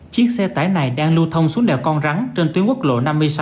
chiếc xe tải này đang lưu thông xuống đèo con rắn trên tuyến quốc lộ năm mươi sáu